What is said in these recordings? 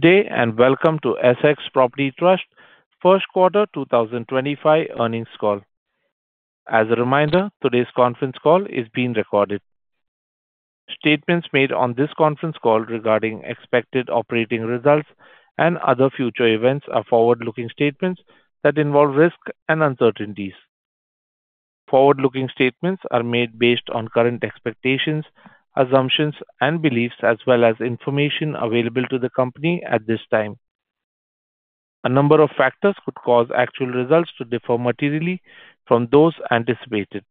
Good day and welcome to Essex Property Trust First Quarter 2025 Earnings Call. As a reminder, today's conference call is being recorded. Statements made on this conference call regarding expected operating results and other future events are forward-looking statements that involve risk and uncertainties. Forward-looking statements are made based on current expectations, assumptions, and beliefs, as well as information available to the company at this time. A number of factors could cause actual results to differ materially from those anticipated.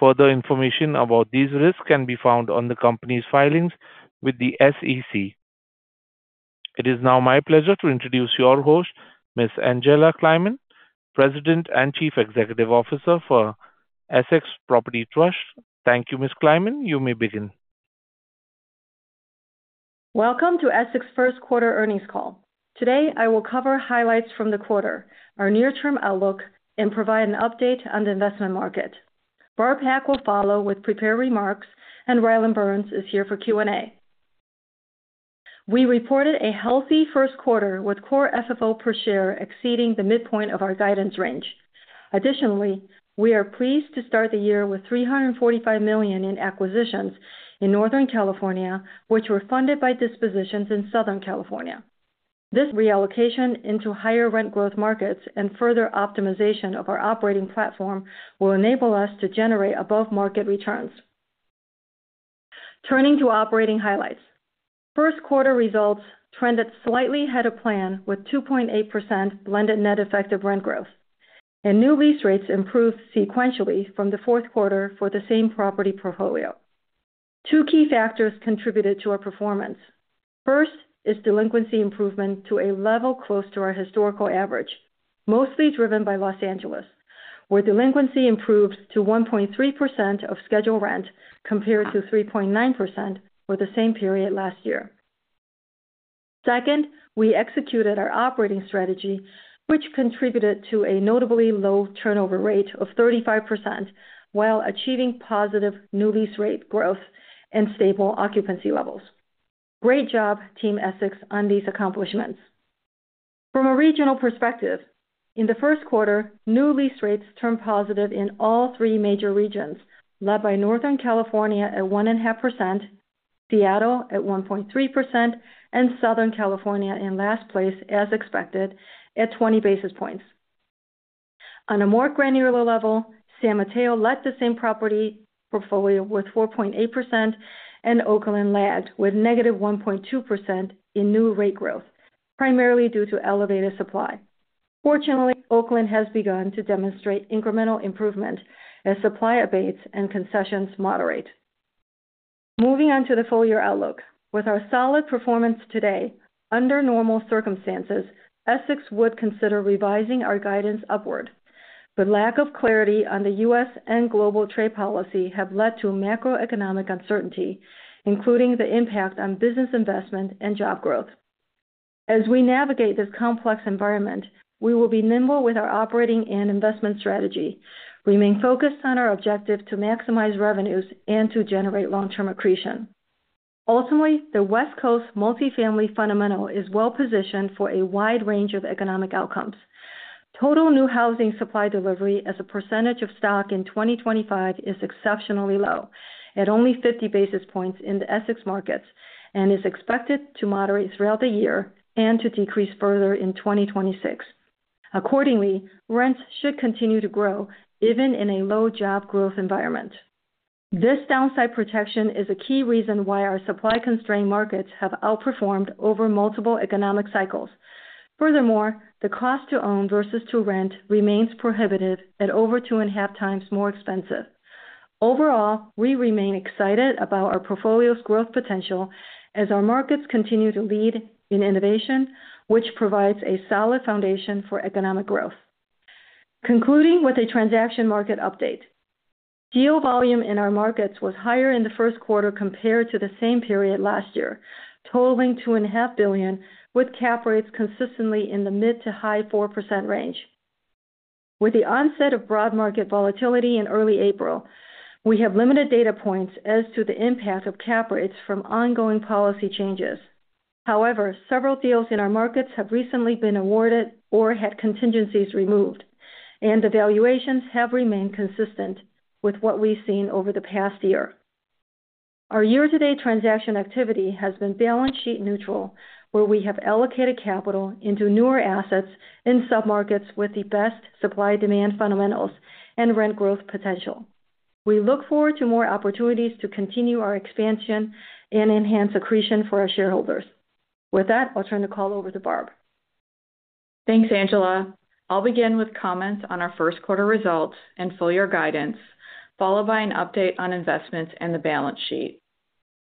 Further information about these risks can be found on the company's filings with the SEC. It is now my pleasure to introduce your host, Ms. Angela Kleiman, President and Chief Executive Officer for Essex Property Trust. Thank you, Ms. Kleiman. You may begin. Welcome to Essex First Quarter Earnings Call. Today, I will cover highlights from the quarter, our near-term outlook, and provide an update on the investment market. Barb Pak will follow with prepared remarks, and Rylan Burns is here for Q&A. We reported a healthy first quarter with core FFO per share exceeding the midpoint of our guidance range. Additionally, we are pleased to start the year with $345 million in acquisitions in Northern California, which were funded by dispositions in Southern California. This reallocation into higher rent growth markets and further optimization of our operating platform will enable us to generate above-market returns. Turning to operating highlights, first quarter results trended slightly ahead of plan with 2.8% blended net effective rent growth, and new lease rates improved sequentially from the fourth quarter for the same property portfolio. Two key factors contributed to our performance. First is delinquency improvement to a level close to our historical average, mostly driven by Los Angeles, where delinquency improved to 1.3% of scheduled rent compared to 3.9% for the same period last year. Second, we executed our operating strategy, which contributed to a notably low turnover rate of 35% while achieving positive new lease rate growth and stable occupancy levels. Great job, Team Essex, on these accomplishments. From a regional perspective, in the first quarter, new lease rates turned positive in all three major regions, led by Northern California at 1.5%, Seattle at 1.3%, and Southern California in last place, as expected, at 20 basis points. On a more granular level, San Mateo led the same property portfolio with 4.8%, and Oakland lagged with -1.2% in new rate growth, primarily due to elevated supply. Fortunately, Oakland has begun to demonstrate incremental improvement as supply abates and concessions moderate. Moving on to the full year outlook, with our solid performance today, under normal circumstances, Essex would consider revising our guidance upward. The lack of clarity on the U.S. and global trade policy has led to macroeconomic uncertainty, including the impact on business investment and job growth. As we navigate this complex environment, we will be nimble with our operating and investment strategy, remaining focused on our objective to maximize revenues and to generate long-term accretion. Ultimately, the West Coast multifamily fundamental is well-positioned for a wide range of economic outcomes. Total new housing supply delivery as a percentage of stock in 2025 is exceptionally low, at only 50 basis points in the Essex markets, and is expected to moderate throughout the year and to decrease further in 2026. Accordingly, rents should continue to grow even in a low job growth environment. This downside protection is a key reason why our supply-constrained markets have outperformed over multiple economic cycles. Furthermore, the cost to own versus to rent remains prohibitive at over two and a half times more expensive. Overall, we remain excited about our portfolio's growth potential as our markets continue to lead in innovation, which provides a solid foundation for economic growth. Concluding with a transaction market update, deal volume in our markets was higher in the first quarter compared to the same period last year, totaling $2.5 billion, with cap rates consistently in the mid to high 4% range. With the onset of broad market volatility in early April, we have limited data points as to the impact of cap rates from ongoing policy changes. However, several deals in our markets have recently been awarded or had contingencies removed, and the valuations have remained consistent with what we've seen over the past year. Our year-to-date transaction activity has been balance sheet neutral, where we have allocated capital into newer assets in submarkets with the best supply-demand fundamentals and rent growth potential. We look forward to more opportunities to continue our expansion and enhance accretion for our shareholders. With that, I'll turn the call over to Barb. Thanks, Angela. I'll begin with comments on our first quarter results and full year guidance, followed by an update on investments and the balance sheet.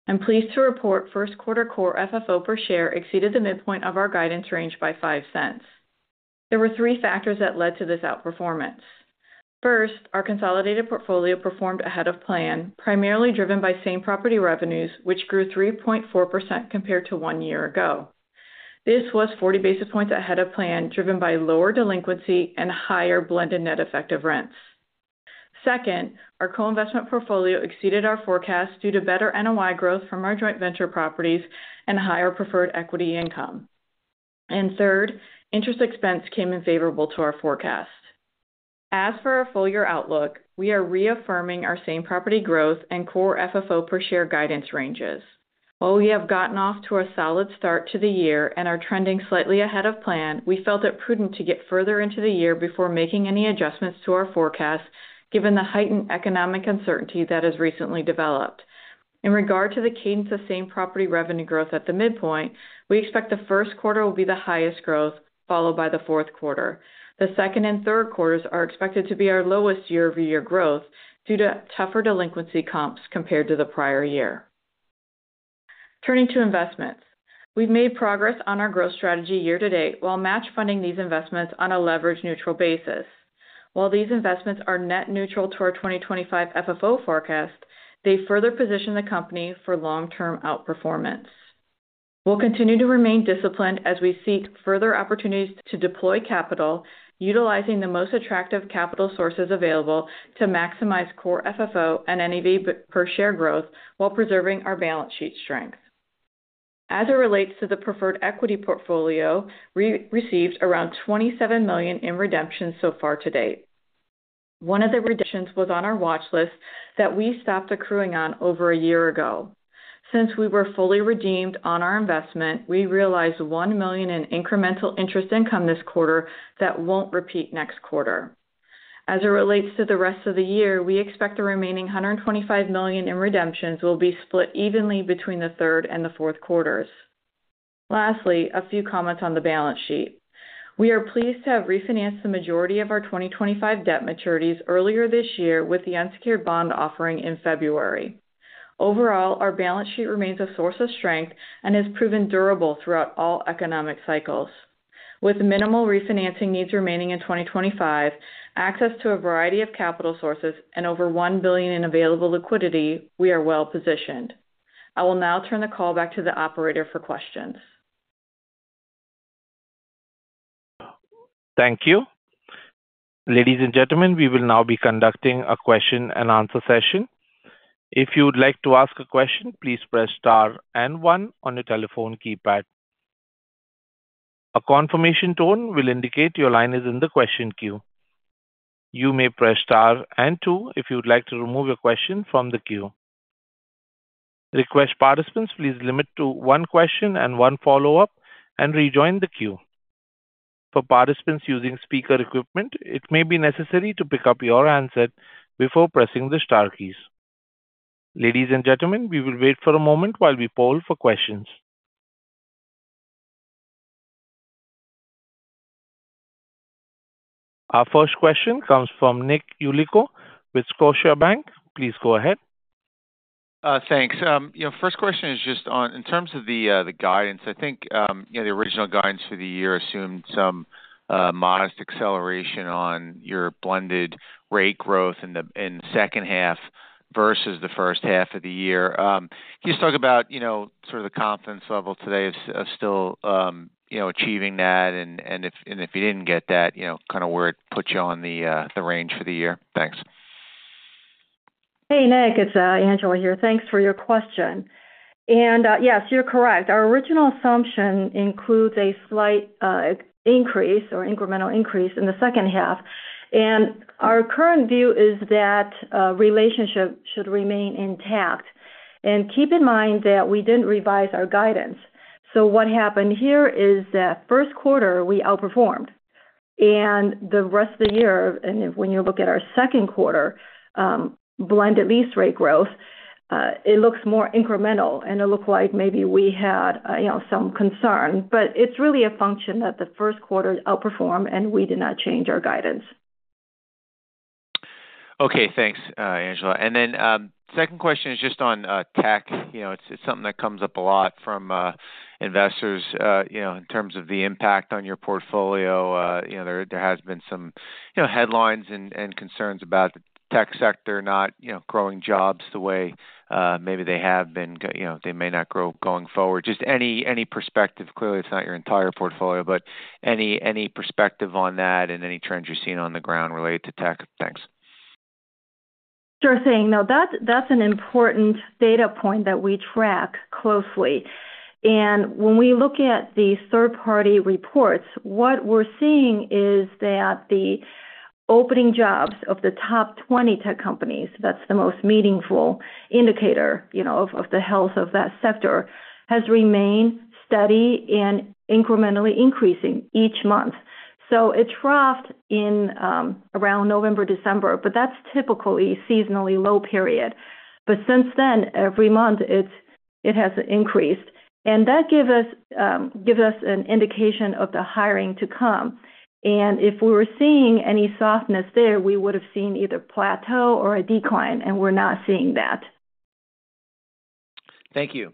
I'm pleased to report first quarter core FFO per share exceeded the midpoint of our guidance range by $0.05. There were three factors that led to this outperformance. First, our consolidated portfolio performed ahead of plan, primarily driven by same property revenues, which grew 3.4% compared to one year ago. This was 40 basis points ahead of plan, driven by lower delinquency and higher blended net effective rents. Second, our co-investment portfolio exceeded our forecast due to better NOI growth from our joint venture properties and higher preferred equity income. Third, interest expense came in favorable to our forecast. As for our full year outlook, we are reaffirming our same property growth and core FFO per share guidance ranges. While we have gotten off to a solid start to the year and are trending slightly ahead of plan, we felt it prudent to get further into the year before making any adjustments to our forecast, given the heightened economic uncertainty that has recently developed. In regard to the cadence of same property revenue growth at the midpoint, we expect the first quarter will be the highest growth, followed by the fourth quarter. The second and third quarters are expected to be our lowest year-over-year growth due to tougher delinquency comps compared to the prior year. Turning to investments, we've made progress on our growth strategy year to date while match-funding these investments on a leverage-neutral basis. While these investments are net neutral to our 2025 FFO forecast, they further position the company for long-term outperformance. We'll continue to remain disciplined as we seek further opportunities to deploy capital, utilizing the most attractive capital sources available to maximize core FFO and NAV per share growth while preserving our balance sheet strength. As it relates to the preferred equity portfolio, we received around $27 million in redemptions so far to date. One of the redemptions was on our watch list that we stopped accruing on over a year ago. Since we were fully redeemed on our investment, we realized $1 million in incremental interest income this quarter that won't repeat next quarter. As it relates to the rest of the year, we expect the remaining $125 million in redemptions will be split evenly between the third and the fourth quarters. Lastly, a few comments on the balance sheet. We are pleased to have refinanced the majority of our 2025 debt maturities earlier this year with the unsecured bond offering in February. Overall, our balance sheet remains a source of strength and has proven durable throughout all economic cycles. With minimal refinancing needs remaining in 2025, access to a variety of capital sources, and over $1 billion in available liquidity, we are well-positioned. I will now turn the call back to the operator for questions. Thank you. Ladies and gentlemen, we will now be conducting a question and answer session. If you would like to ask a question, please press star and one on your telephone keypad. A confirmation tone will indicate your line is in the question queue. You may press star and two if you'd like to remove your question from the queue. Request participants please limit to one question and one follow-up and rejoin the queue. For participants using speaker equipment, it may be necessary to pick up your answer before pressing the star keys. Ladies and gentlemen, we will wait for a moment while we poll for questions. Our first question comes from Nick Yulico with Scotiabank. Please go ahead. Thanks. Your first question is just on, in terms of the guidance, I think the original guidance for the year assumed some modest acceleration on your blended rate growth in the second half versus the first half of the year. Can you just talk about sort of the confidence level today of still achieving that? If you did not get that, kind of where it put you on the range for the year? Thanks. Hey, Nick, it's Angela here. Thanks for your question. Yes, you're correct. Our original assumption includes a slight increase or incremental increase in the second half. Our current view is that relationship should remain intact. Keep in mind that we didn't revise our guidance. What happened here is that first quarter, we outperformed. The rest of the year, and when you look at our second quarter, blended lease rate growth, it looks more incremental. It looked like maybe we had some concern. It's really a function that the first quarter outperformed, and we did not change our guidance. Okay, thanks, Angela. Second question is just on tech. It's something that comes up a lot from investors in terms of the impact on your portfolio. There has been some headlines and concerns about the tech sector not growing jobs the way maybe they have been. They may not grow going forward. Just any perspective, clearly it's not your entire portfolio, but any perspective on that and any trends you're seeing on the ground related to tech? Thanks. Sure thing. Now, that's an important data point that we track closely. When we look at the third-party reports, what we're seeing is that the opening jobs of the top 20 tech companies, that's the most meaningful indicator of the health of that sector, has remained steady and incrementally increasing each month. It dropped in around November, December, but that's typically a seasonally low period. Since then, every month it has increased. That gives us an indication of the hiring to come. If we were seeing any softness there, we would have seen either plateau or a decline, and we're not seeing that. Thank you.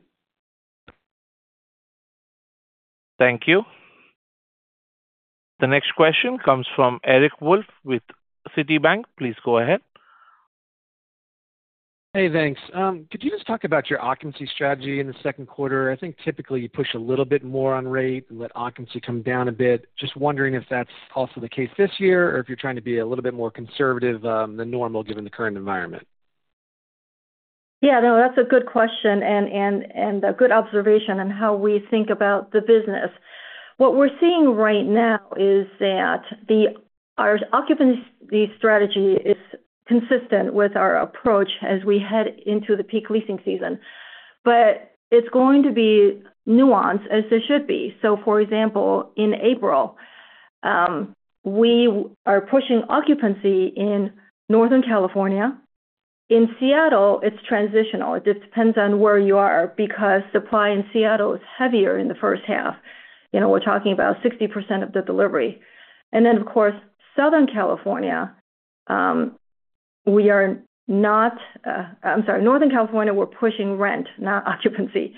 Thank you. The next question comes from Eric Wolfe with Citibank. Please go ahead. Hey, thanks. Could you just talk about your occupancy strategy in the second quarter? I think typically you push a little bit more on rate and let occupancy come down a bit. Just wondering if that's also the case this year or if you're trying to be a little bit more conservative than normal given the current environment. Yeah, no, that's a good question and a good observation on how we think about the business. What we're seeing right now is that our occupancy strategy is consistent with our approach as we head into the peak leasing season. It is going to be nuanced as it should be. For example, in April, we are pushing occupancy in Northern California. In Seattle, it is transitional. It depends on where you are because supply in Seattle is heavier in the first half. We are talking about 60% of the delivery. Of course, in Southern California, we are not—I'm sorry, in Northern California, we are pushing rent, not occupancy.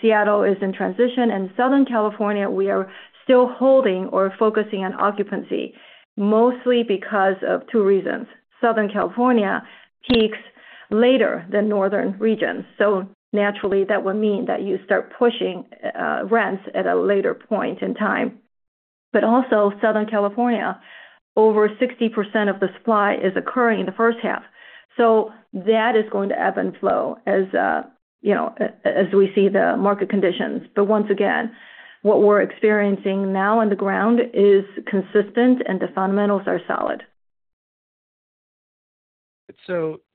Seattle is in transition. In Southern California, we are still holding or focusing on occupancy mostly because of two reasons. Southern California peaks later than northern regions. Naturally, that would mean that you start pushing rents at a later point in time. Also, Southern California, over 60% of the supply is occurring in the first half. That is going to ebb and flow as we see the market conditions. Once again, what we're experiencing now on the ground is consistent and the fundamentals are solid.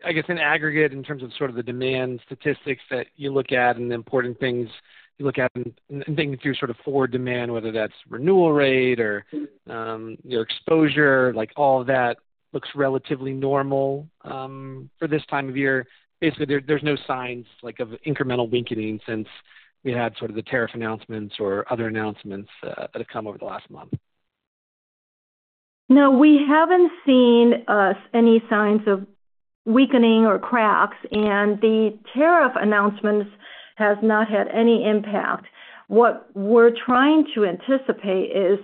I guess in aggregate, in terms of sort of the demand statistics that you look at and the important things you look at and thinking through sort of forward demand, whether that's renewal rate or exposure, all of that looks relatively normal for this time of year. Basically, there's no signs of incremental weakening since we had sort of the tariff announcements or other announcements that have come over the last month. No, we haven't seen any signs of weakening or cracks. The tariff announcements have not had any impact. What we're trying to anticipate is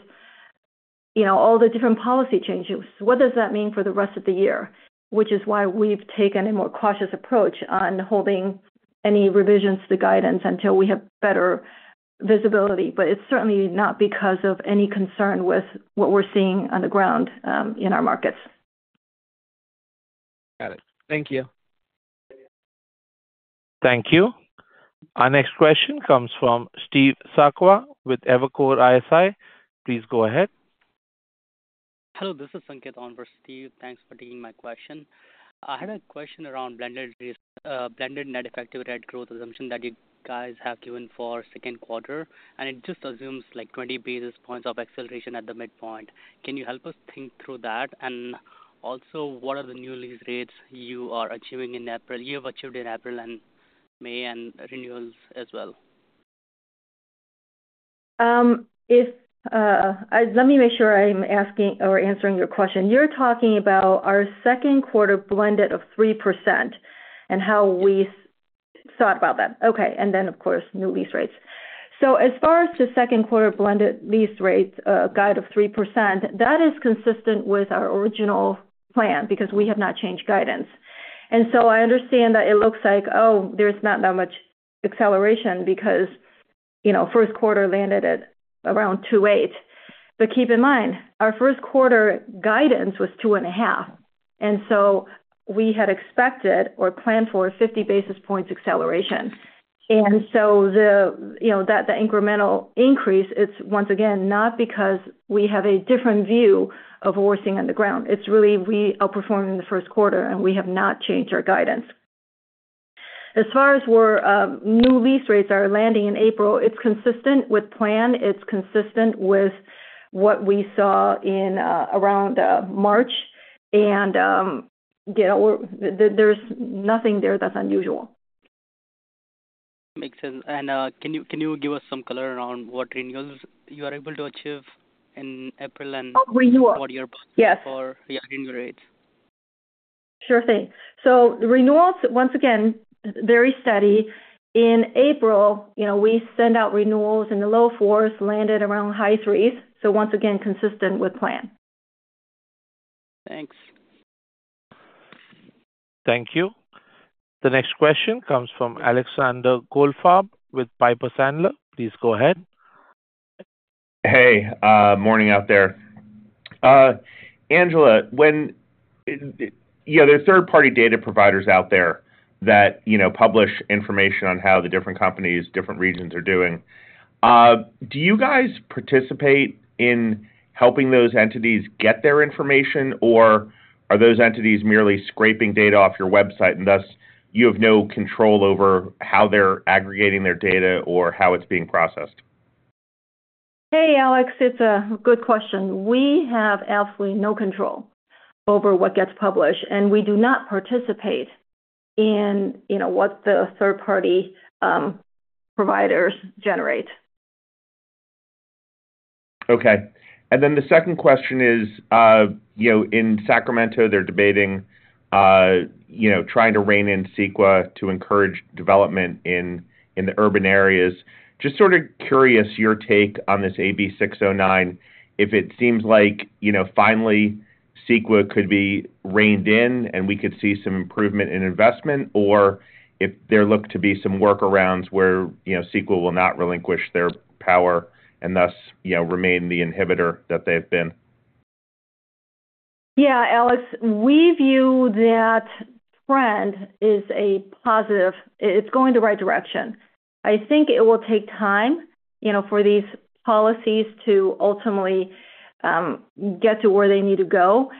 all the different policy changes. What does that mean for the rest of the year? That is why we've taken a more cautious approach on holding any revisions to the guidance until we have better visibility. It is certainly not because of any concern with what we're seeing on the ground in our markets. Got it. Thank you. Thank you. Our next question comes from Steve Sakwa with Evercore ISI. Please go ahead. Hello, this is Sanket on versus Steve. Thanks for taking my question. I had a question around blended net effective rent growth assumption that you guys have given for second quarter. It just assumes 20 basis points of acceleration at the midpoint. Can you help us think through that? Also, what are the new lease rates you are achieving in April? You have achieved in April and May and renewals as well. Let me make sure I'm asking or answering your question. You're talking about our second quarter blended of 3% and how we thought about that. Okay. Then, of course, new lease rates. As far as the second quarter blended lease rate guide of 3%, that is consistent with our original plan because we have not changed guidance. I understand that it looks like, oh, there's not that much acceleration because first quarter landed at around 2.8%. Keep in mind, our first quarter guidance was 2.5%. We had expected or planned for 50 basis points acceleration. The incremental increase, it's once again, not because we have a different view of what we're seeing on the ground. It's really we outperformed in the first quarter, and we have not changed our guidance. As far as new lease rates are landing in April, it's consistent with plan. It's consistent with what we saw in around March. There's nothing there that's unusual. Makes sense. Can you give us some color around what renewals you are able to achieve in April and what you're pushing for renewal rates? Sure thing. Renewals, once again, very steady. In April, we sent out renewals in the low fours, landed around high 3s. Once again, consistent with plan. Thanks. Thank you. The next question comes from Alexander Goldfarb with Piper Sandler. Please go ahead. Hey, morning out there. Angela, there are third-party data providers out there that publish information on how the different companies, different regions are doing. Do you guys participate in helping those entities get their information, or are those entities merely scraping data off your website and thus you have no control over how they're aggregating their data or how it's being processed? Hey, Alex, it's a good question. We have absolutely no control over what gets published, and we do not participate in what the third-party providers generate. Okay. The second question is, in Sacramento, they're debating trying to rein in CEQA to encourage development in the urban areas. Just sort of curious your take on this AB 609, if it seems like finally CEQA could be reined in and we could see some improvement in investment, or if there look to be some workarounds where CEQA will not relinquish their power and thus remain the inhibitor that they've been. Yeah, Alex, we view that trend as a positive. It's going the right direction. I think it will take time for these policies to ultimately get to where they need to go.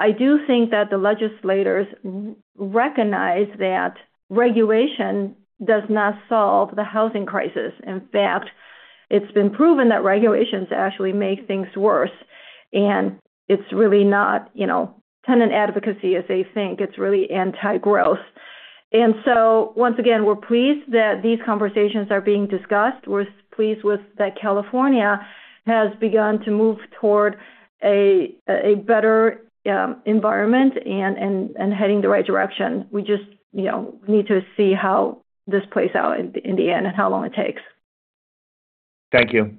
I do think that the legislators recognize that regulation does not solve the housing crisis. In fact, it's been proven that regulations actually make things worse. It's really not tenant advocacy, as they think. It's really anti-growth. Once again, we're pleased that these conversations are being discussed. We're pleased that California has begun to move toward a better environment and heading the right direction. We just need to see how this plays out in the end and how long it takes. Thank you.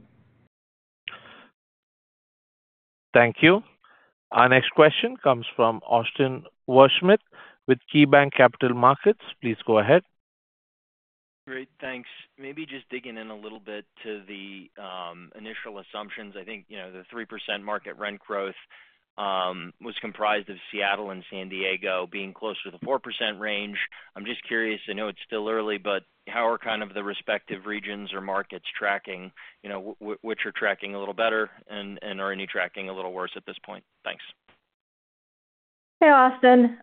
Thank you. Our next question comes from Austin Wurschmidt with KeyBanc Capital Markets. Please go ahead. Great. Thanks. Maybe just digging in a little bit to the initial assumptions. I think the 3% market rent growth was comprised of Seattle and San Diego being close to the 4% range. I'm just curious, I know it's still early, but how are kind of the respective regions or markets tracking? Which are tracking a little better and are any tracking a little worse at this point? Thanks. Hey, Austin.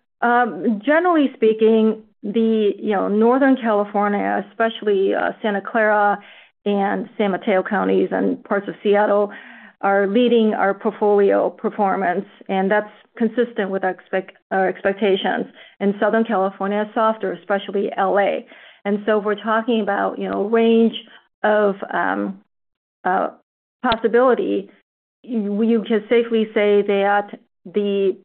Generally speaking, the Northern California, especially Santa Clara and San Mateo counties and parts of Seattle, are leading our portfolio performance. That is consistent with our expectations. Southern California is softer, especially LA. If we're talking about a range of possibility, you can safely say that the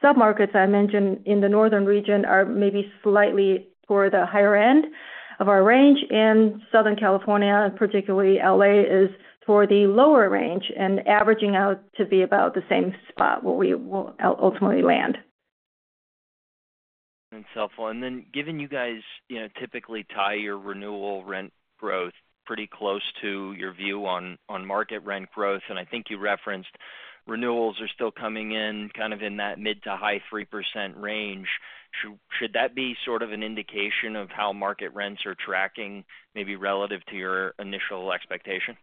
sub-markets I mentioned in the northern region are maybe slightly toward the higher end of our range. Southern California, particularly LA, is toward the lower range and averaging out to be about the same spot where we will ultimately land. That's helpful. Given you guys typically tie your renewal rent growth pretty close to your view on market rent growth, and I think you referenced renewals are still coming in kind of in that mid to high 3% range. Should that be sort of an indication of how market rents are tracking maybe relative to your initial expectation?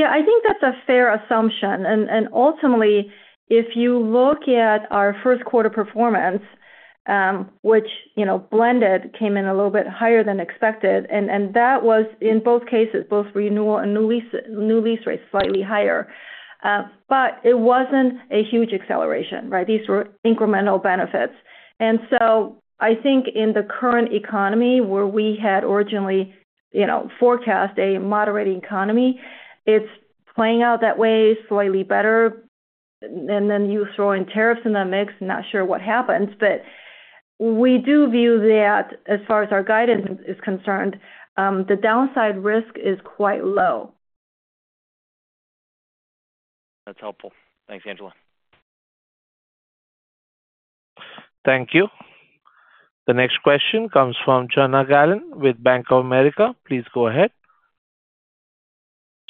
Yeah, I think that's a fair assumption. Ultimately, if you look at our first quarter performance, which blended came in a little bit higher than expected. That was in both cases, both renewal and new lease rates, slightly higher. It was not a huge acceleration, right? These were incremental benefits. I think in the current economy where we had originally forecast a moderating economy, it's playing out that way slightly better. You throw in tariffs in the mix, not sure what happens. We do view that as far as our guidance is concerned, the downside risk is quite low. That's helpful. Thanks, Angela. Thank you. The next question comes from Chana Gallen with Bank of America. Please go ahead.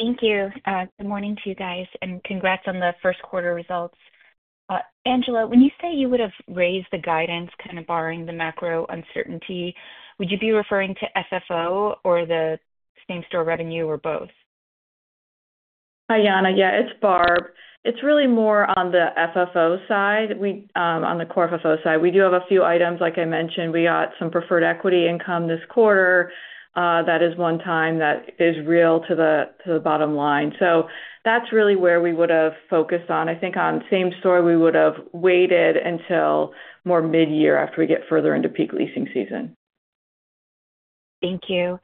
Thank you. Good morning to you guys. Congrats on the first quarter results. Angela, when you say you would have raised the guidance kind of barring the macro uncertainty, would you be referring to FFO or the same store revenue or both? Hi, Jana. Yeah, it's Barb. It's really more on the FFO side, on the core FFO side. We do have a few items, like I mentioned. We got some preferred equity income this quarter. That is one time that is real to the bottom line. That's really where we would have focused on. I think on same store, we would have waited until more mid-year after we get further into peak leasing season. Thank you.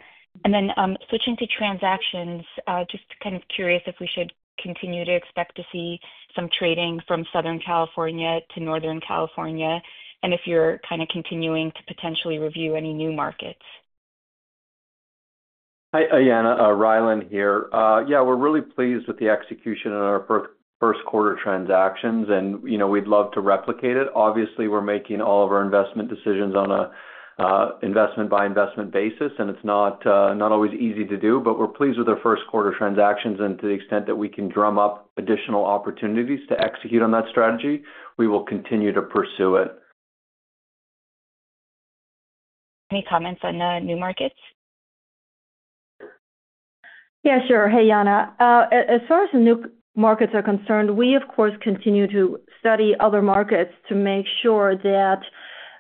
Switching to transactions, just kind of curious if we should continue to expect to see some trading from Southern California to Northern California and if you're kind of continuing to potentially review any new markets. Hi, Jana. Rylan here. Yeah, we're really pleased with the execution in our first quarter transactions, and we'd love to replicate it. Obviously, we're making all of our investment decisions on an investment-by-investment basis, and it's not always easy to do. We're pleased with our first quarter transactions. To the extent that we can drum up additional opportunities to execute on that strategy, we will continue to pursue it. Any comments on new markets? Yeah, sure. Hey, Jana. As far as new markets are concerned, we, of course, continue to study other markets to make sure that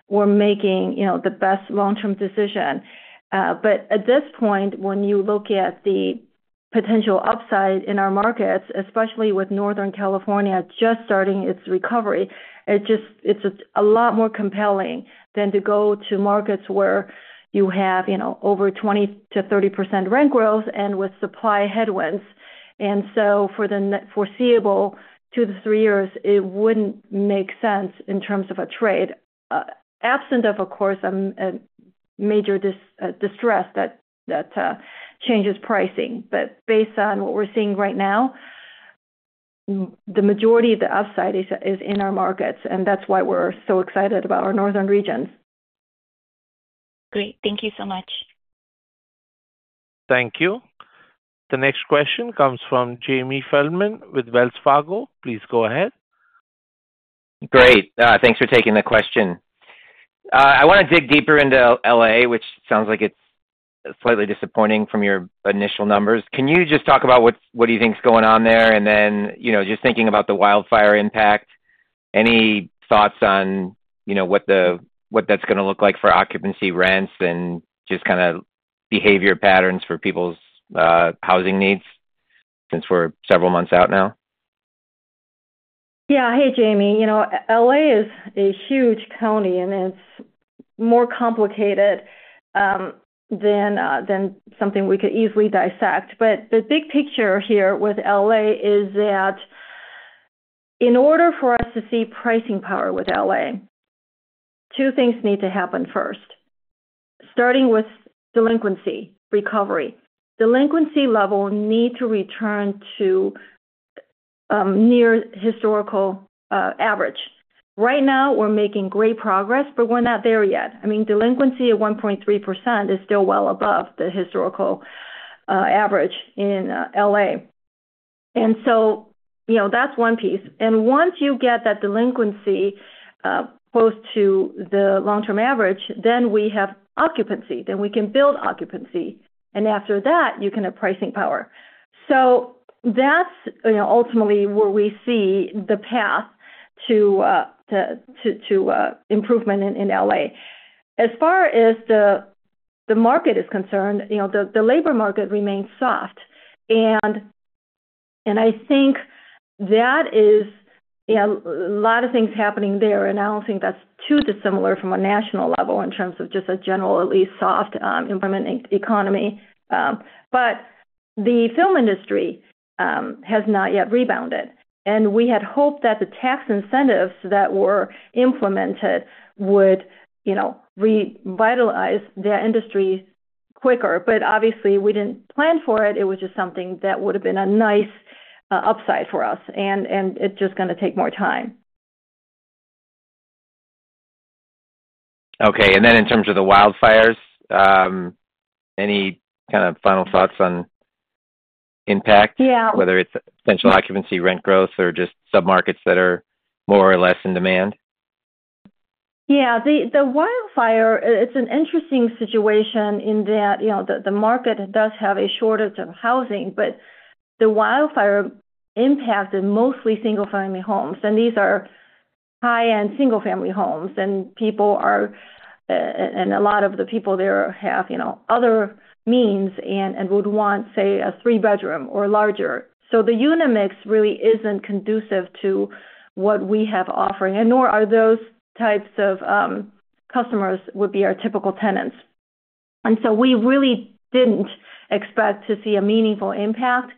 we're making the best long-term decision. At this point, when you look at the potential upside in our markets, especially with Northern California just starting its recovery, it's a lot more compelling than to go to markets where you have over 20-30% rent growth and with supply headwinds. For the foreseeable two to three years, it wouldn't make sense in terms of a trade, absent of, of course, a major distress that changes pricing. Based on what we're seeing right now, the majority of the upside is in our markets, and that's why we're so excited about our northern regions. Great. Thank you so much. Thank you. The next question comes from Jamie Feldman with Wells Fargo. Please go ahead. Great. Thanks for taking the question. I want to dig deeper into LA, which sounds like it's slightly disappointing from your initial numbers. Can you just talk about what do you think's going on there? Just thinking about the wildfire impact, any thoughts on what that's going to look like for occupancy, rents, and just kind of behavior patterns for people's housing needs since we're several months out now? Yeah. Hey, Jamie. LA is a huge county, and it's more complicated than something we could easily dissect. The big picture here with LA is that in order for us to see pricing power with LA, two things need to happen first. Starting with delinquency recovery. Delinquency level needs to return to near historical average. Right now, we're making great progress, but we're not there yet. I mean, delinquency at 1.3% is still well above the historical average in LA. That's one piece. Once you get that delinquency close to the long-term average, we have occupancy. We can build occupancy. After that, you can have pricing power. That's ultimately where we see the path to improvement in LA. As far as the market is concerned, the labor market remains soft. I think that is a lot of things happening there. I do not think that is too dissimilar from a national level in terms of just a general, at least, soft implementing economy. The film industry has not yet rebounded. We had hoped that the tax incentives that were implemented would revitalize the industry quicker. Obviously, we did not plan for it. It was just something that would have been a nice upside for us. It is just going to take more time. Okay. In terms of the wildfires, any kind of final thoughts on impact, whether it's potential occupancy, rent growth, or just sub-markets that are more or less in demand? Yeah. The wildfire, it's an interesting situation in that the market does have a shortage of housing, but the wildfire impacted mostly single-family homes. These are high-end single-family homes. A lot of the people there have other means and would want, say, a three-bedroom or larger. The unit mix really isn't conducive to what we have offering, nor are those types of customers our typical tenants. We really didn't expect to see a meaningful impact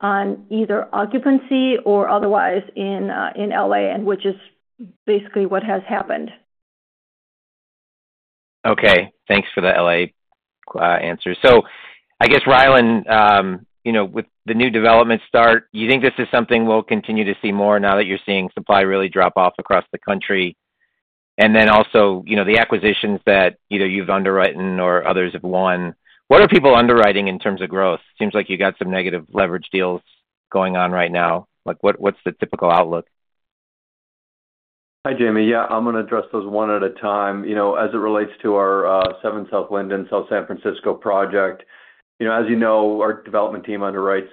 on either occupancy or otherwise in LA, which is basically what has happened. Okay. Thanks for the LA answer. I guess, Rylan, with the new development start, you think this is something we'll continue to see more now that you're seeing supply really drop off across the country? Also, the acquisitions that either you've underwritten or others have won. What are people underwriting in terms of growth? Seems like you got some negative leverage deals going on right now. What's the typical outlook? Hi, Jamie. Yeah, I'm going to address those one at a time. As it relates to our Seven South Linden South San Francisco project, as you know, our development team underwrites,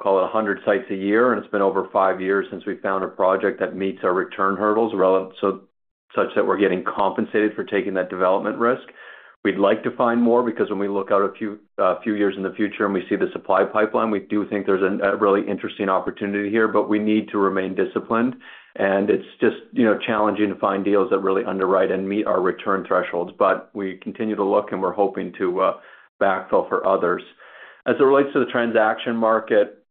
call it 100 sites a year. It's been over five years since we found a project that meets our return hurdles such that we're getting compensated for taking that development risk. We'd like to find more because when we look out a few years in the future and we see the supply pipeline, we do think there's a really interesting opportunity here. We need to remain disciplined. It's just challenging to find deals that really underwrite and meet our return thresholds. We continue to look, and we're hoping to backfill for others. As it relates to the transaction market,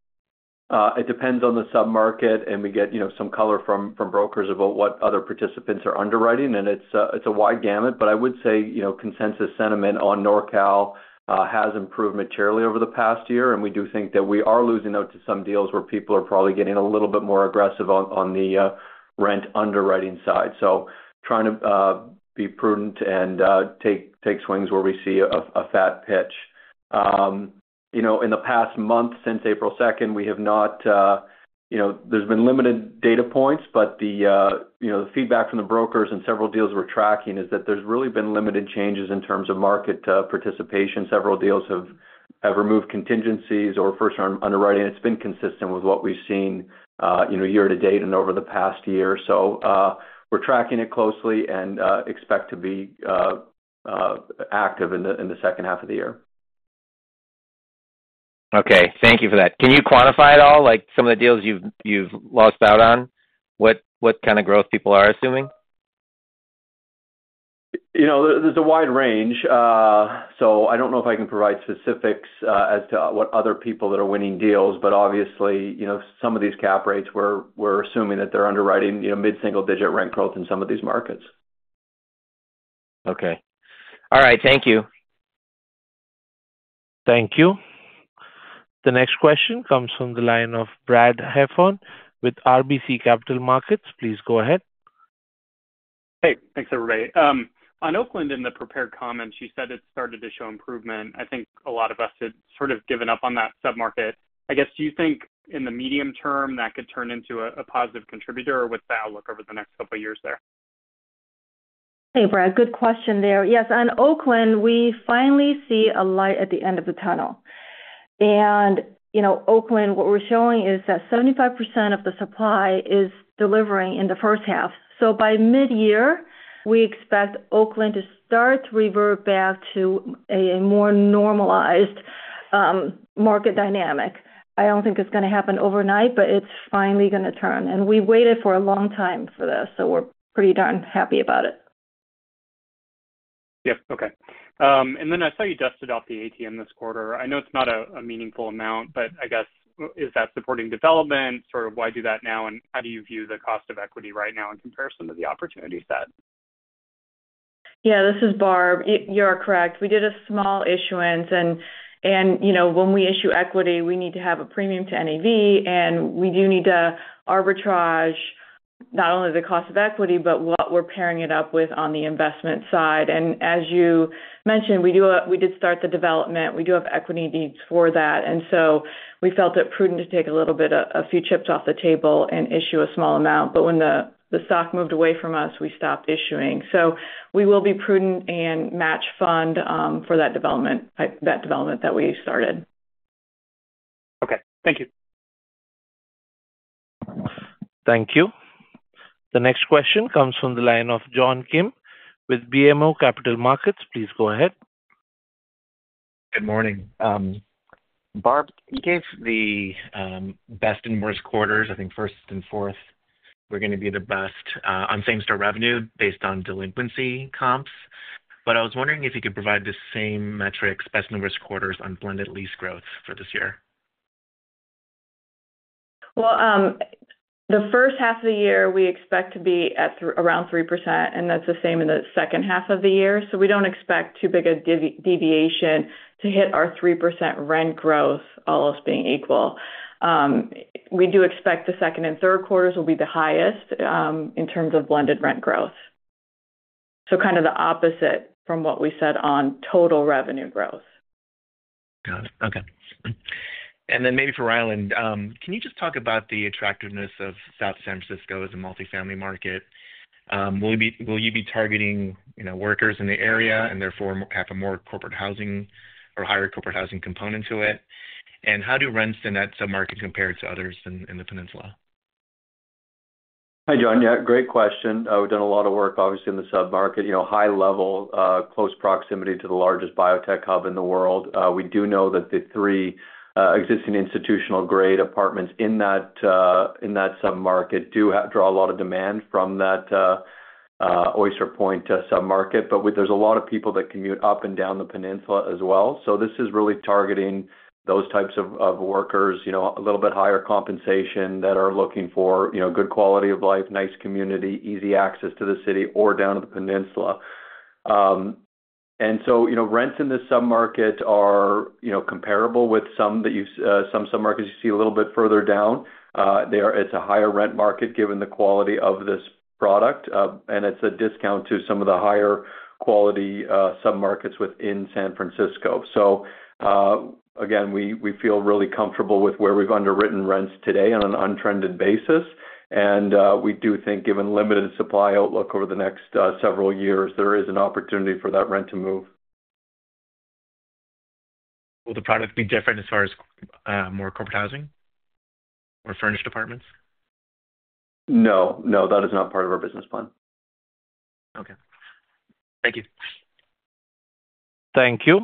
it depends on the sub-market, and we get some color from brokers about what other participants are underwriting. It is a wide gamut. I would say consensus sentiment on NorCal has improved materially over the past year. We do think that we are losing out to some deals where people are probably getting a little bit more aggressive on the rent underwriting side. Trying to be prudent and take swings where we see a fat pitch. In the past month since April second, we have not, there's been limited data points, but the feedback from the brokers and several deals we're tracking is that there's really been limited changes in terms of market participation. Several deals have removed contingencies or first-arm underwriting. It has been consistent with what we've seen year to date and over the past year. We're tracking it closely and expect to be active in the second half of the year. Okay. Thank you for that. Can you quantify it all, like some of the deals you've lost out on? What kind of growth people are assuming? There's a wide range. I don't know if I can provide specifics as to what other people that are winning deals. Obviously, some of these cap rates, we're assuming that they're underwriting mid-single-digit rent growth in some of these markets. Okay. All right. Thank you. Thank you. The next question comes from the line of Brad Heffern with RBC Capital Markets. Please go ahead. Hey. Thanks, everybody. On Oakland in the prepared comments, you said it started to show improvement. I think a lot of us had sort of given up on that sub-market. I guess, do you think in the medium term that could turn into a positive contributor, or what's the outlook over the next couple of years there? Hey, Brad. Good question there. Yes. On Oakland, we finally see a light at the end of the tunnel. In Oakland, what we are showing is that 75% of the supply is delivering in the first half. By mid-year, we expect Oakland to start to revert back to a more normalized market dynamic. I do not think it is going to happen overnight, but it is finally going to turn. We waited for a long time for this. We are pretty darn happy about it. Yep. Okay. I saw you dusted off the ATM this quarter. I know it's not a meaningful amount, but I guess, is that supporting development? Sort of why do that now? How do you view the cost of equity right now in comparison to the opportunity set? Yeah. This is Barb. You're correct. We did a small issuance. When we issue equity, we need to have a premium to NAV. We do need to arbitrage not only the cost of equity, but what we're pairing it up with on the investment side. As you mentioned, we did start the development. We do have equity needs for that. We felt it prudent to take a little bit of a few chips off the table and issue a small amount. When the stock moved away from us, we stopped issuing. We will be prudent and match fund for that development that we started. Okay. Thank you. Thank you. The next question comes from the line of John Kim with BMO Capital Markets. Please go ahead. Good morning. Barb, you gave the best and worst quarters. I think first and fourth were going to be the best on same-store revenue based on delinquency comps. I was wondering if you could provide the same metrics, best and worst quarters on blended lease growth for this year. The first half of the year, we expect to be at around 3%. And that's the same in the second half of the year. We don't expect too big a deviation to hit our 3% rent growth, almost being equal. We do expect the second and third quarters will be the highest in terms of blended rent growth. Kind of the opposite from what we said on total revenue growth. Got it. Okay. Maybe for Rylan, can you just talk about the attractiveness of South San Francisco as a multifamily market? Will you be targeting workers in the area and therefore have a more corporate housing or higher corporate housing component to it? How do rents in that sub-market compare to others in the peninsula? Hi, John. Yeah. Great question. We've done a lot of work, obviously, in the sub-market. High-level, close proximity to the largest biotech hub in the world. We do know that the three existing institutional-grade apartments in that sub-market do draw a lot of demand from that Oyster Point sub-market. There are a lot of people that commute up and down the peninsula as well. This is really targeting those types of workers, a little bit higher compensation that are looking for good quality of life, nice community, easy access to the city, or down to the peninsula. Rents in this sub-market are comparable with some sub-markets you see a little bit further down. It's a higher rent market given the quality of this product. It's a discount to some of the higher quality sub-markets within San Francisco. We feel really comfortable with where we've underwritten rents today on an untrended basis. We do think, given limited supply outlook over the next several years, there is an opportunity for that rent to move. Will the product be different as far as more corporate housing or furnished apartments? No. No, that is not part of our business plan. Okay. Thank you. Thank you.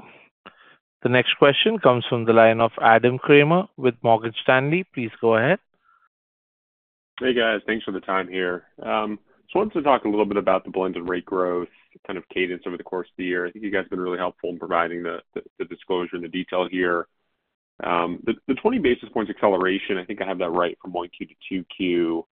The next question comes from the line of Adam Kramer with Morgan Stanley. Please go ahead. Hey, guys. Thanks for the time here. Just wanted to talk a little bit about the blended rate growth kind of cadence over the course of the year. I think you guys have been really helpful in providing the disclosure and the detail here. The 20 basis points acceleration, I think I have that right from 1Q to 2Q.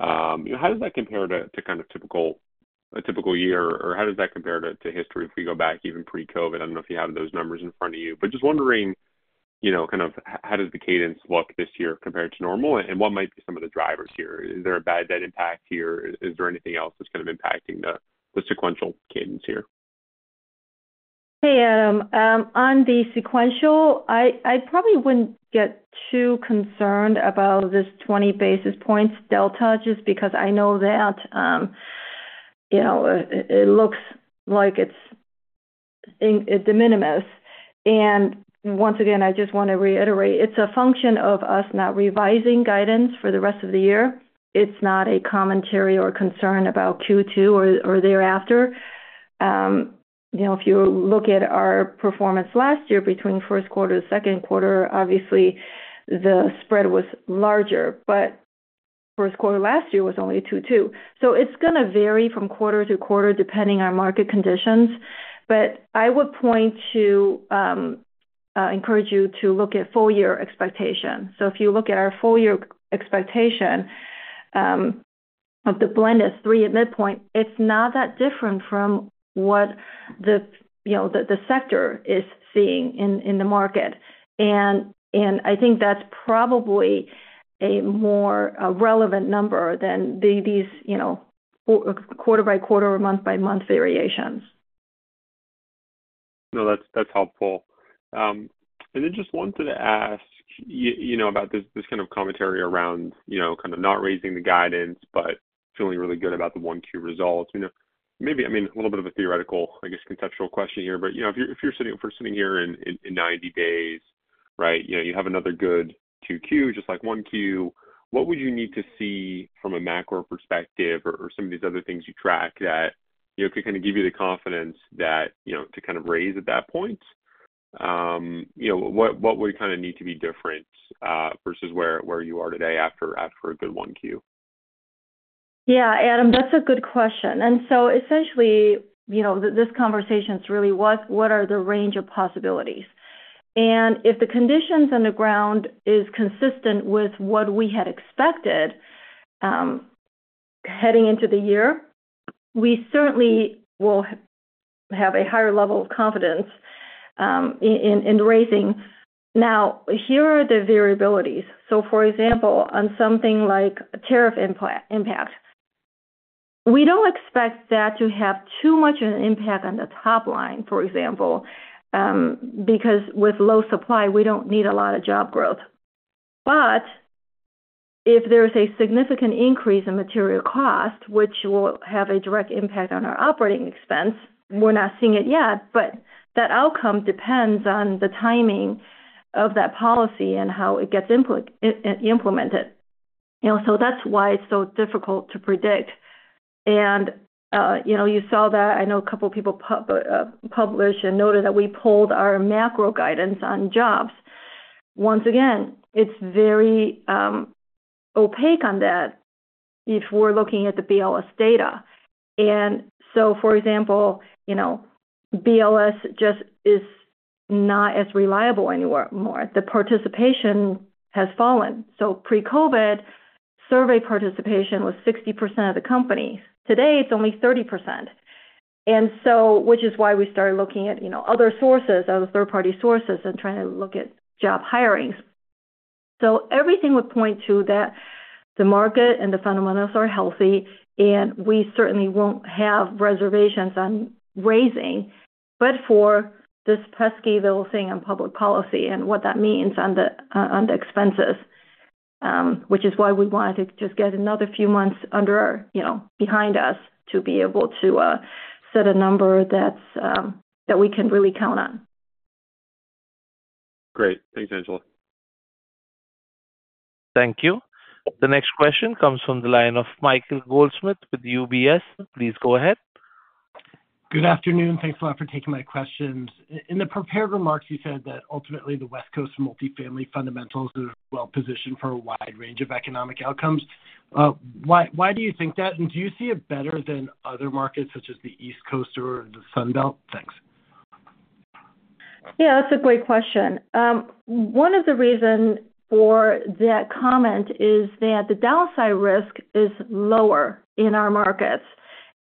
How does that compare to kind of a typical year? Or how does that compare to history if we go back even pre-COVID? I do not know if you have those numbers in front of you. Just wondering kind of how does the cadence look this year compared to normal? What might be some of the drivers here? Is there a bad debt impact here? Is there anything else that is kind of impacting the sequential cadence here? Hey, Adam. On the sequential, I probably wouldn't get too concerned about this 20 basis points delta just because I know that it looks like it's de minimis. Once again, I just want to reiterate, it's a function of us not revising guidance for the rest of the year. It's not a commentary or concern about Q2 or thereafter. If you look at our performance last year between first quarter and second quarter, obviously, the spread was larger. First quarter last year was only 2.2. It's going to vary from quarter to quarter depending on market conditions. I would point to encourage you to look at full-year expectation. If you look at our full-year expectation of the blended three at midpoint, it's not that different from what the sector is seeing in the market. I think that's probably a more relevant number than these quarter-by-quarter, month-by-month variations. No, that's helpful. I just wanted to ask about this kind of commentary around kind of not raising the guidance but feeling really good about the 1Q results. Maybe, I mean, a little bit of a theoretical, I guess, conceptual question here. If you're sitting here in 90 days, right, you have another good 2Q, just like 1Q. What would you need to see from a macro perspective or some of these other things you track that could kind of give you the confidence to kind of raise at that point? What would kind of need to be different versus where you are today after a good 1Q? Yeah. Adam, that's a good question. Essentially, this conversation is really what are the range of possibilities? If the conditions on the ground are consistent with what we had expected heading into the year, we certainly will have a higher level of confidence in raising. Here are the variabilities. For example, on something like tariff impact, we do not expect that to have too much of an impact on the top line, for example, because with low supply, we do not need a lot of job growth. If there is a significant increase in material cost, which will have a direct impact on our operating expense, we are not seeing it yet. That outcome depends on the timing of that policy and how it gets implemented. That is why it is so difficult to predict. You saw that. I know a couple of people published and noted that we pulled our macro guidance on jobs. Once again, it's very opaque on that if we're looking at the BLS data. For example, BLS just is not as reliable anymore. The participation has fallen. Pre-COVID, survey participation was 60% of the company. Today, it's only 30%, which is why we started looking at other sources, other third-party sources, and trying to look at job hirings. Everything would point to that the market and the fundamentals are healthy. We certainly won't have reservations on raising, but for this pesky little thing on public policy and what that means on the expenses, which is why we wanted to just get another few months behind us to be able to set a number that we can really count on. Great. Thanks, Angela. Thank you. The next question comes from the line of Michael Goldsmith with UBS. Please go ahead. Good afternoon. Thanks a lot for taking my questions. In the prepared remarks, you said that ultimately, the West Coast multi-family fundamentals are well-positioned for a wide range of economic outcomes. Why do you think that? Do you see it better than other markets such as the East Coast or the Sunbelt? Thanks. Yeah. That's a great question. One of the reasons for that comment is that the downside risk is lower in our markets.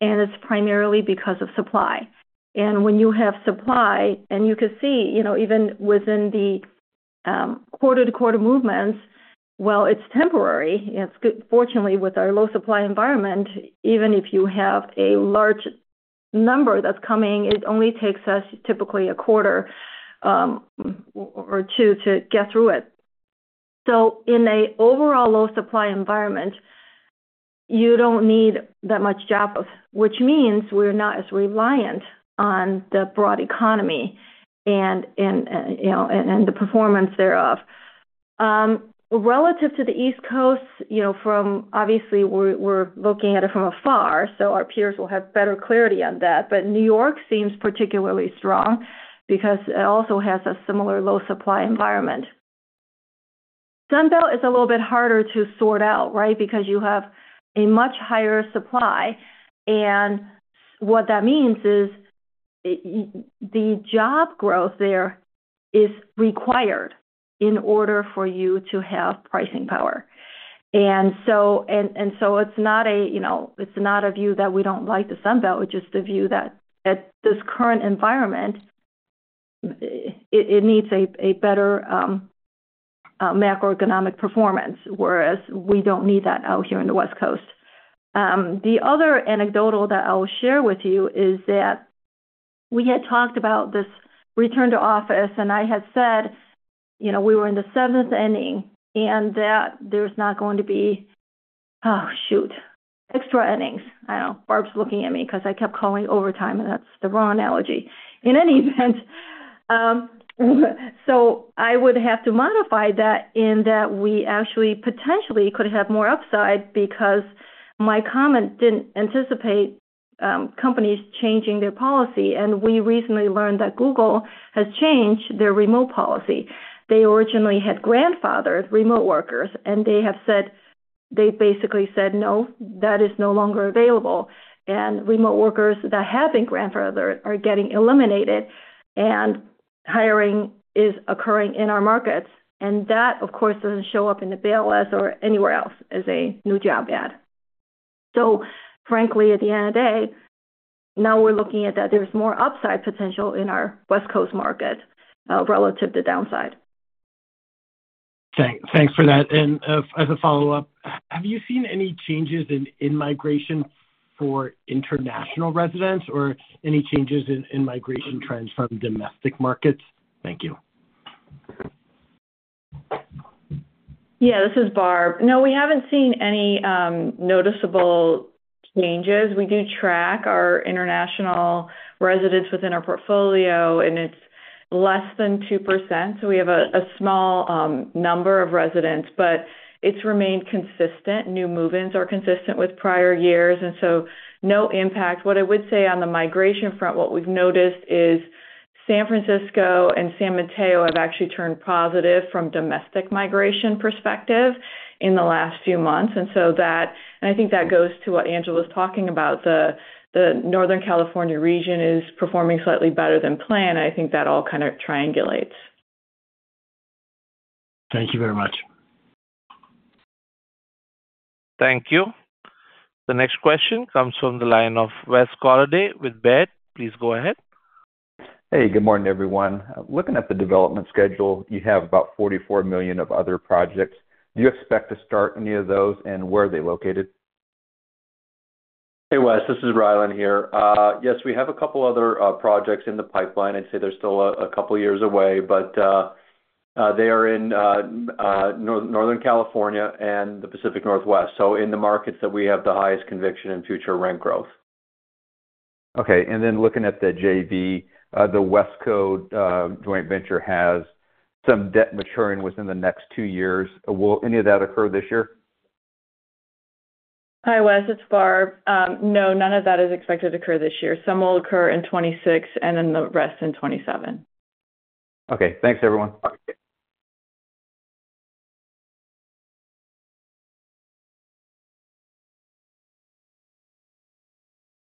It's primarily because of supply. When you have supply, and you can see even within the quarter-to-quarter movements, it's temporary. Fortunately, with our low-supply environment, even if you have a large number that's coming, it only takes us typically a quarter or two to get through it. In an overall low-supply environment, you do not need that much job growth, which means we're not as reliant on the broad economy and the performance thereof. Relative to the East Coast, obviously, we're looking at it from afar. Our peers will have better clarity on that. New York seems particularly strong because it also has a similar low-supply environment. Sunbelt is a little bit harder to sort out, right, because you have a much higher supply. What that means is the job growth there is required in order for you to have pricing power. It is not a view that we do not like the Sunbelt. It is just the view that this current environment, it needs a better macroeconomic performance, whereas we do not need that out here on the West Coast. The other anecdotal that I will share with you is that we had talked about this return to office. I had said we were in the seventh inning and that there is not going to be, oh, shoot, extra innings. I do not know. Barb is looking at me because I kept calling overtime. That is the wrong analogy. In any event, I would have to modify that in that we actually potentially could have more upside because my comment did not anticipate companies changing their policy. We recently learned that Google has changed their remote policy. They originally had grandfathered remote workers. They have said, they basically said, "No, that is no longer available." Remote workers that have been grandfathered are getting eliminated. Hiring is occurring in our markets. That, of course, does not show up in the BLS or anywhere else as a new job ad. Frankly, at the end of the day, now we are looking at that there is more upside potential in our West Coast market relative to downside. Thanks for that. As a follow-up, have you seen any changes in migration for international residents or any changes in migration trends from domestic markets? Thank you. Yeah. This is Barb. No, we haven't seen any noticeable changes. We do track our international residents within our portfolio. And it's less than 2%. So we have a small number of residents. But it's remained consistent. New movements are consistent with prior years. No impact. What I would say on the migration front, what we've noticed is San Francisco and San Mateo have actually turned positive from a domestic migration perspective in the last few months. I think that goes to what Angela was talking about. The Northern California region is performing slightly better than planned. I think that all kind of triangulates. Thank you very much. Thank you. The next question comes from the line of Wes Golladay with Baird. Please go ahead. Hey, good morning, everyone. Looking at the development schedule, you have about $44 million of other projects. Do you expect to start any of those? Where are they located? Hey, Wes. This is Rylan here. Yes, we have a couple of other projects in the pipeline. I'd say they're still a couple of years away. They are in Northern California and the Pacific Northwest, in the markets that we have the highest conviction in future rent growth. Okay. Looking at the JV, the West Coast joint venture has some debt maturing within the next two years. Will any of that occur this year? Hi, Wes. It's Barb. No, none of that is expected to occur this year. Some will occur in 2026 and then the rest in 2027. Okay. Thanks, everyone.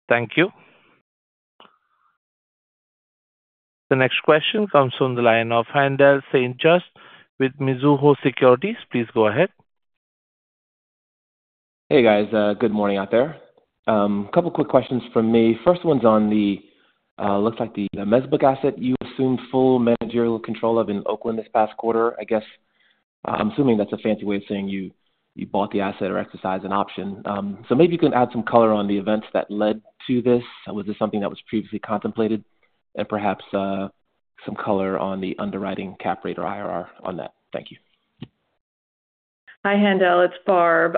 Thank you. The next question comes from the line of Haendel St.Juste with Mizuho Securities. Please go ahead. Hey, guys. Good morning out there. A couple of quick questions for me. First one's on the looks like the Mesbuc asset you assumed full managerial control of in Oakland this past quarter. I guess I'm assuming that's a fancy way of saying you bought the asset or exercised an option. Maybe you can add some color on the events that led to this. Was this something that was previously contemplated? Perhaps some color on the underwriting cap rate or IRR on that. Thank you. Hi, Haendel. It's Barb.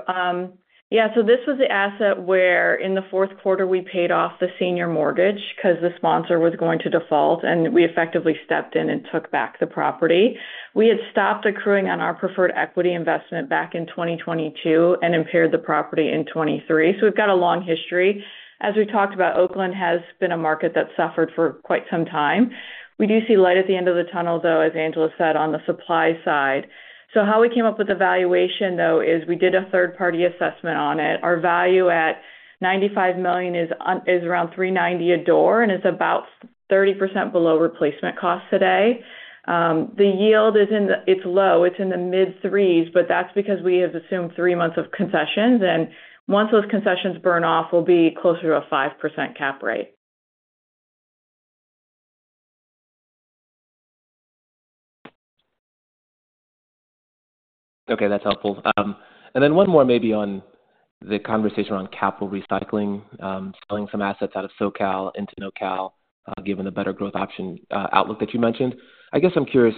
Yeah. This was the asset where in the fourth quarter, we paid off the senior mortgage because the sponsor was going to default. We effectively stepped in and took back the property. We had stopped accruing on our preferred equity investment back in 2022 and impaired the property in 2023. We've got a long history. As we talked about, Oakland has been a market that suffered for quite some time. We do see light at the end of the tunnel, though, as Angela said, on the supply side. How we came up with the valuation, though, is we did a third-party assessment on it. Our value at $95 million is around $390 a door and is about 30% below replacement costs today. The yield is low. It's in the mid-threes. That is because we have assumed three months of concessions. Once those concessions burn off, we'll be closer to a 5% cap rate. Okay. That's helpful. Then one more maybe on the conversation around capital recycling, selling some assets out of SoCal into NoCal given the better growth option outlook that you mentioned. I guess I'm curious